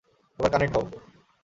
এবার কানেক্ট হও।